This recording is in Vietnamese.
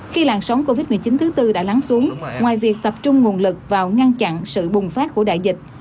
khi làn sóng covid một mươi chín thứ tư đã lắng xuống ngoài việc tập trung nguồn lực vào ngăn chặn sự bùng phát của đại dịch